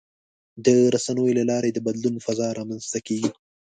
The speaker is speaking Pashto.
د رسنیو له لارې د بدلون فضا رامنځته کېږي.